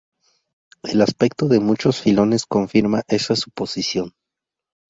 El aspecto de muchos filones confirma esa suposición.